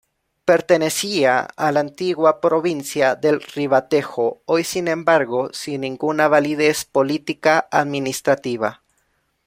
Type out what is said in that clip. Pertenecía a la antigua provincia del Ribatejo, hoy sin embargo sin ninguna validez política-administrativa.